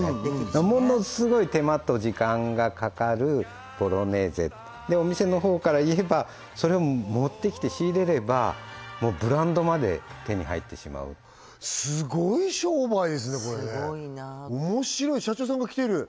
ものすごい手間と時間がかかるボロネーゼお店の方からいえばそれを持ってきて仕入れればもうブランドまで手に入ってしまうすごい商売ですねこれおもしろい社長さんが来てる？